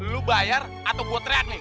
lu bayar atau gue teriak nih